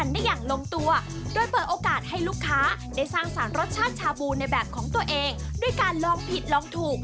ด้วยการลองผิดลองถูก